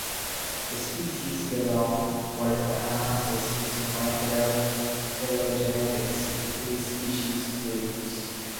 The species belong, according to analysis using molecular phylogenetics, to three species groups.